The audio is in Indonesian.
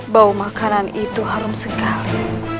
bau makanan itu harum sekali